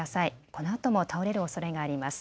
このあとも倒れるおそれがあります。